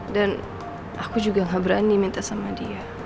dan aku juga gak berani minta sama dia